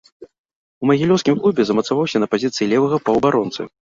У магілёўскім клубе замацаваўся на пазіцыі левага паўабаронцы.